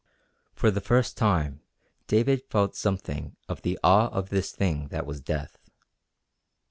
For the first time David felt something of the awe of this thing that was death.